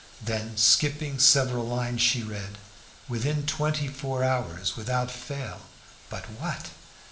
Then, skipping several lines, she read, "Within twenty four hours, without fail " But what?